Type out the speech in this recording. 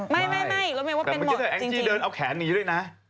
ไม่รู้ไม่ว่าเป็นหมดจริงแต่มันก็คือแองจิเดินเอาแขนหนีด้วยนะ